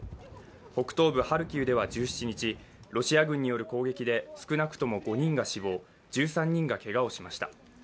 北東部ハルキウでは１７日、ロシア軍による攻撃で少なくとも５人が死亡１３人がけがをしました。